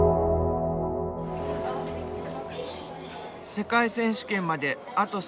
世界選手権まであと３週間。